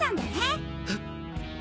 えっ！